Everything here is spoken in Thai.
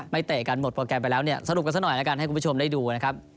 ไม่เตะกันหมดโปรแกรมไปแล้วสรุปกันซักหน่อยให้คุณผู้ชมได้ดูนะครับ